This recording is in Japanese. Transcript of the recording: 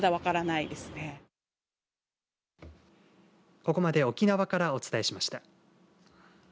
ここまで沖縄からお伝えしました。